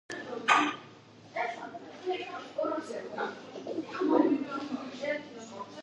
გავრცელებულია ყველგან, უკიდურესი ჩრდილოეთის გარდა.